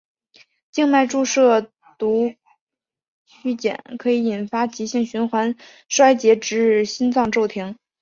静脉注射毒蕈碱可以引发急性循环衰竭至心脏骤停。